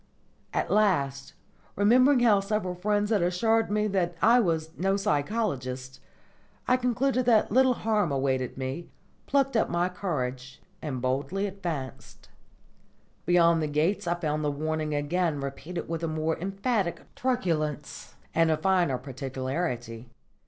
At last, remembering how several friends had assured me that I was "no psychologist," I concluded that little harm awaited me, plucked up my courage, and boldly advanced. Beyond the gates I found the warning again repeated with a more emphatic truculence and a finer particularity.